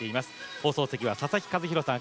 放送席は佐々木主浩さん